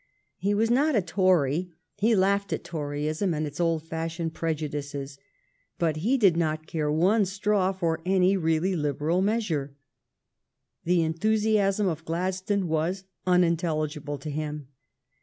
He was not a Tory; he laughed at Toryism and its old fash ioned prejudices; but he did not care one straw for any really liberal measure. The enthusiasm of Gladstone was unintelligible to him.